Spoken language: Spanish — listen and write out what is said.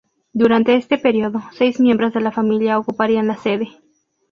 Durante este periodo, seis miembros de la familia ocuparían la sede.